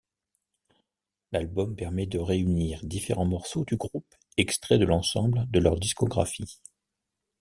L’album permet de réunir différents morceaux du groupe extraits de l’ensemble de leur discographie.